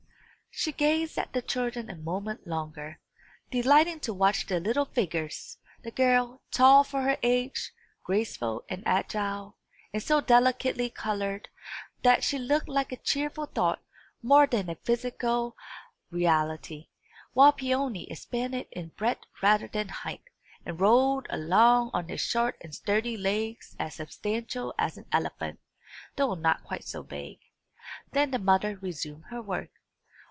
She gazed at the children a moment longer, delighting to watch their little figures the girl, tall for her age, graceful and agile, and so delicately coloured that she looked like a cheerful thought, more than a physical reality; while Peony expanded in breadth rather than height, and rolled along on his short and sturdy legs as substantial as an elephant, though not quite so big. Then the mother resumed her work.